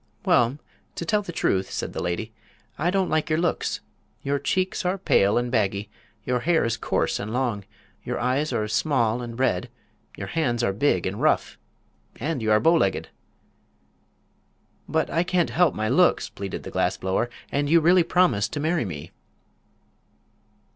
"Well, to tell the truth," said the lady, "I don't like your looks. Your cheeks are pale and baggy, your hair is coarse and long, your eyes are small and red, your hands are big and rough, and you are bow legged." "But I can't help my looks!" pleaded the glass blower; "and you really promised to marry me."